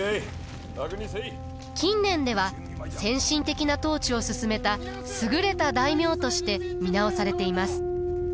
近年では先進的な統治をすすめた優れた大名として見直されています。